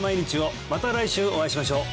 また来週お会いしましょう！